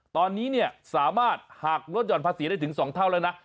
ตอนนี้เนี่ยสามารถหักลดหย่อนภาษีได้ถึง๒เท่าแล้วนะ